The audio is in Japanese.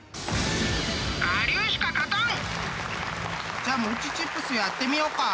じゃあ餅チップスやってみようか。